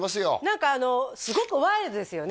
何かすごくワイルドですよね